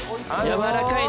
やわらかい。